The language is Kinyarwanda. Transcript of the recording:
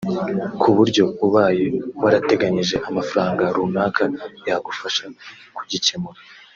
ku buryo ubaye warateganyije amafaranga runaka yagufasha kugikemura